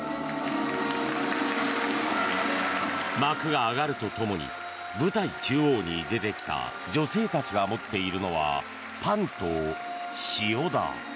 幕が上がるとともに舞台中央に出てきた女性たちが持っているのはパンと塩だ。